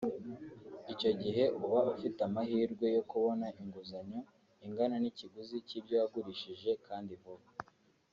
icyo gihe uba ufite amahirwe yo kubona inguzanyo ingana n’ikiguzi cy’ibyo wagurishije kandi vuba